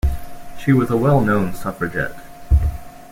She was a well-known suffragette.